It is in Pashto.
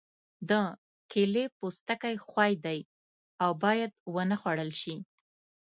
د کیلې پوستکی ښوی دی او باید ونه خوړل شي.